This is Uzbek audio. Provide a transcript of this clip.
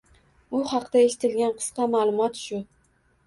U haqda eshitilgan qisqa ma'lumot — shu.